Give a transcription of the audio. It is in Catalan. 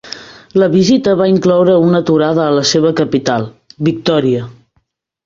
La visita va incloure una aturada a la seva capital, Victòria.